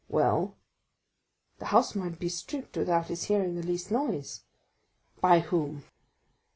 "Well?" "The house might be stripped without his hearing the least noise." "By whom?"